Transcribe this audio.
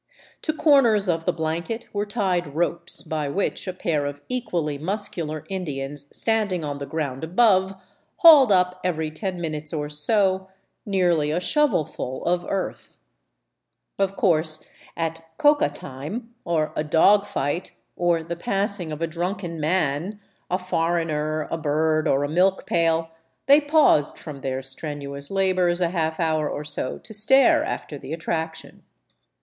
To corners of the blanket were tied ropes, by which a pair )f equally muscular Indians standing on the ground above hauled up ivery ten minutes or so nearly a shovelful of earth. Of course, at coca time,'' or a dog fight, or the passing of a drunken man, a for iigner, a bird, or a milk pail, they paused from their strenuous labors I half hour or so to stare after the attraction.